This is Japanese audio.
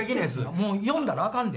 もう呼んだらあかんで。